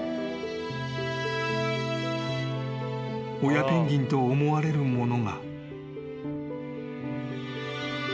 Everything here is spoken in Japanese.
［親ペンギンと思われるものが］